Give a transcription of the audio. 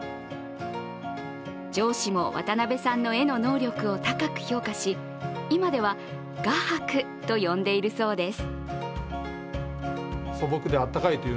上司も渡邊さんの絵の能力を高く評価し今では「画伯」と呼んでいるそうです。